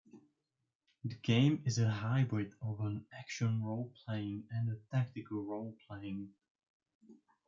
The game is a hybrid of an action role-playing and a tactical role-playing.